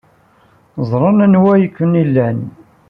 Ẓrant anwa ay ken-ilan.